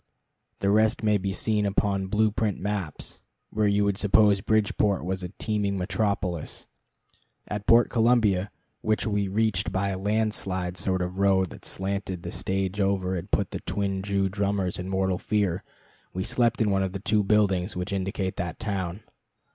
The rest may be seen upon blue print maps, where you would suppose Bridgeport was a teeming metropolis. At Port Columbia, which we reached by a land slide sort of road that slanted the stage over and put the twin Jew drummers in mortal fear, we slept in one of the two buildings which indicate that town.